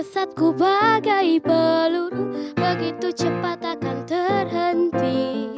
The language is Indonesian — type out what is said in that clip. saatku bagai peluru begitu cepat akan terhenti